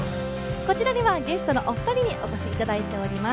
こちらではゲストのお二人にお越しいただいております。